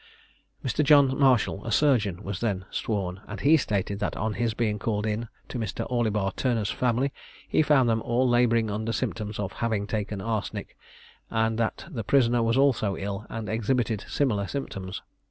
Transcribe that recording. Mr. John Marshall, a surgeon, was then sworn, and he stated that on his being called in to Mr. Orlibar Turner's family he found them all labouring under symptoms of having taken arsenic, and that the prisoner was also ill, and exhibited similar symptoms.